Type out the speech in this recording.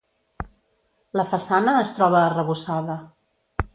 La façana es troba arrebossada.